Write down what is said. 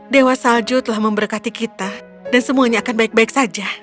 dewa salju telah memberkati kita dan semuanya akan baik baik saja